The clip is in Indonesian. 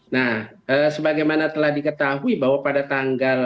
nah sebagaimana telah diketahui bahwa pada tanggal